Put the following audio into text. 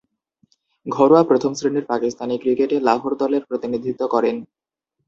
ঘরোয়া প্রথম-শ্রেণীর পাকিস্তানি ক্রিকেটে লাহোর দলের প্রতিনিধিত্ব করেন।